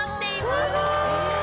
すごい！